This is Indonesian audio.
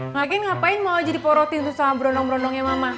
maka ngapain mau jadi porotin sama berondong berondongnya mama